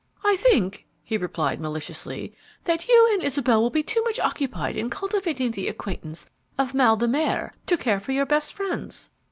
"I think," he replied, maliciously, "that you and Isabel will be too much occupied in cultivating the acquaintance of mal de mer to care for your best friends."